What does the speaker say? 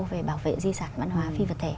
về bảo vệ di sản văn hóa phi vật thể